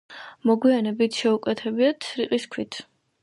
მოგვიანებით შეუკეთებიათ რიყის ქვით.